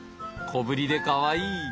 小ぶりでかわいい。